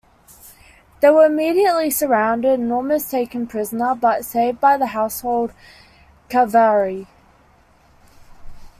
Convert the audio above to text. They were immediately surrounded and almost taken prisoner, but saved by the Household cavalry.